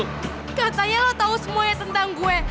katanya lo tau semuanya tentang gue